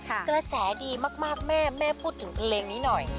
อาแสดีมากแม่พูดถึงเครื่องเลงนี้หน่อย